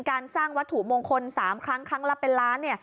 การสร้างวัตถุมงคล๓ครั้งครั้งละเป็นล้าน